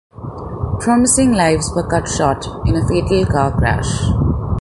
Promising lives were cut short in a fatal car crash.